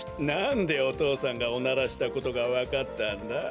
なんでお父さんがおならしたことがわかったんだ？